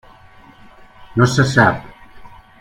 No se sap.